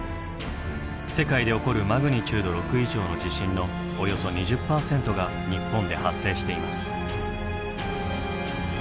世界で起こるマグニチュード６以上の地震のおよそ２０％が日本で発生しています。